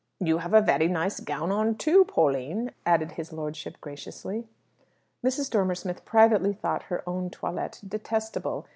"You have a very nice gown on, too, Pauline," added his lordship graciously. Mrs. Dormer Smith privately thought her own toilette detestable.